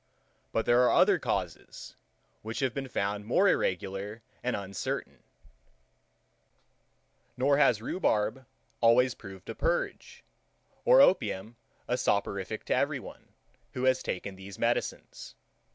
But there are other causes, which have been found more irregular and uncertain; nor has rhubarb always proved a purge, or opium a soporific to every one, who has taken these medicines.